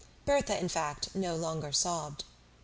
Berthe, in fact, no longer sobbed.